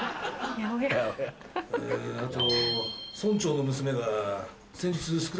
あと。